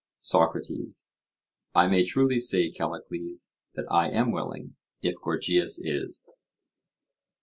SOCRATES: I may truly say, Callicles, that I am willing, if Gorgias is.